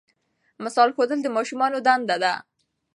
مثال ښودل د ماشومانو دنده ده.